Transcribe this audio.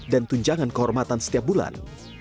dan tunjangan kehormatan setiap bulan